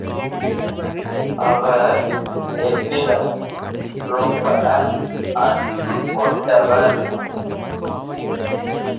அவர் என்னிடம் ரொம்ப அன்பு கொண்டவர்.